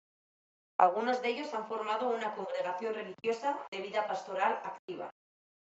Algunos de ellos han formado una congregación religiosa de vida pastoral activa.